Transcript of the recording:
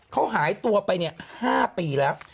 เขาหายตัวไป๕ปีแล้ว